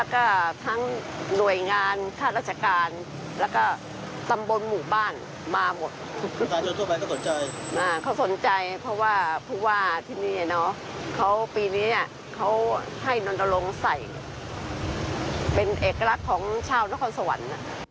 ก็ให้นอนโดรงใส่เป็นเอกลักษณ์ของชาวนครสวรรค์